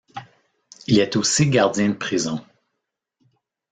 Il est aussi gardien de prison.